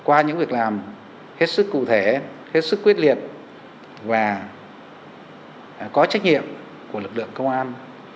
qua những việc làm hết sức cụ thể hết sức quyết liệt và có trách nhiệm của lực lượng công an